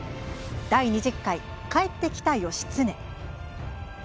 第２０回「帰ってきた義経」。